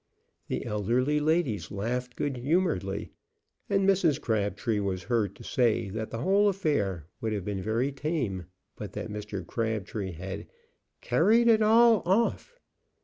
The elderly ladies laughed good humoredly, and Mrs. Crabtree was heard to say that the whole affair would have been very tame but that Mr. Crabtree had "carried it all off."